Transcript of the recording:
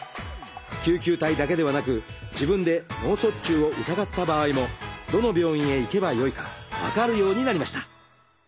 救急隊だけではなく自分で脳卒中を疑った場合もどの病院へ行けばよいか分かるようになりました。